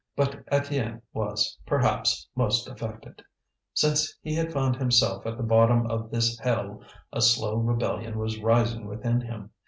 But Étienne was, perhaps, most affected. Since he had found himself at the bottom of this hell a slow rebellion was rising within him.